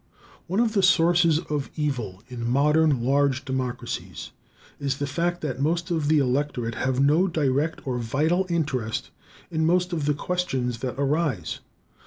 One of the sources of evil in modern large democracies is the fact that most of the electorate have no direct or vital interest in most of the questions that arise.